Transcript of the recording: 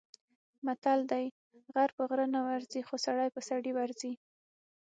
متل دی: غر په غره نه ورځي، خو سړی په سړي ورځي.